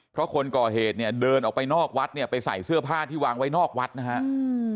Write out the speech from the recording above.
เพราะคนก่อเหตุเนี่ยเดินออกไปนอกวัดเนี่ยไปใส่เสื้อผ้าที่วางไว้นอกวัดนะฮะอืม